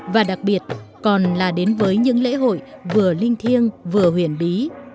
và đặc biệt còn là đến với những lễ hội vừa linh thiêng vừa huyền bí